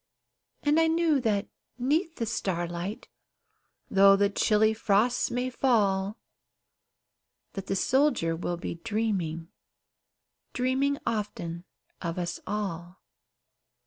And I knew that 'neath the starlight, Though the chilly frosts may fall, That the soldier will be dreaming, Dreaming often of us all.